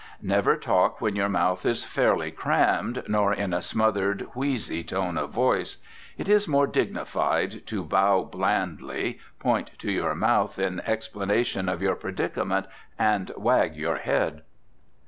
Never talk when your mouth is fairly crammed, nor in a smothered, wheezy tone of voice. It is more dignified to bow blandly, point to your mouth in explanation of your predicament, and wag your head.